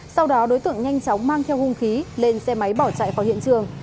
sau đó đối tượng nhanh chóng mang theo hung khí lên xe máy bỏ chạy khỏi hiện trường